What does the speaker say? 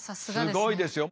すごいですよ。